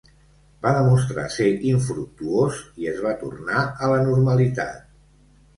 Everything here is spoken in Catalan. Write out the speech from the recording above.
Va demostrar ser infructuós i es va tornar a la normalitat.